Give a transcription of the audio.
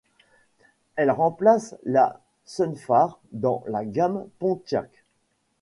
Elle remplace la Sunfire dans la gamme Pontiac.